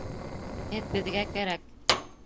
Һеҙ беҙгә кәрәк